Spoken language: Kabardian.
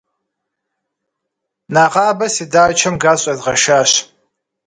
Нэгъабэ си дачэм газ щӏезгъэшащ.